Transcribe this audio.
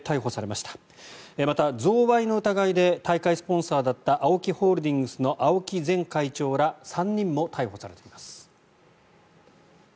また、贈賄の疑いで大会スポンサーだったＡＯＫＩホールディングスの青木前会長ら３人も逮捕されています。